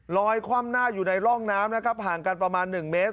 คว่ำหน้าอยู่ในร่องน้ำนะครับห่างกันประมาณ๑เมตร